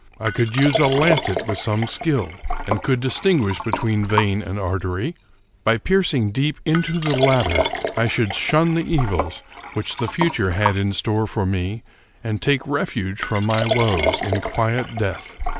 I could use a lancet with some skill, and could distinguish between vein and artery. By piercing deep into the latter, I should shun the evils which the future had in store for me, and take refuge from my woes in quiet death.